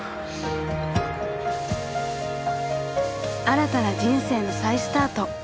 ［新たな人生の再スタート］